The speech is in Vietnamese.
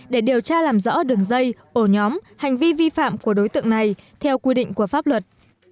để điều tra làm rõ đường dây ổ nhóm hành vi vi phạm của đối tượng này theo quy định của pháp luật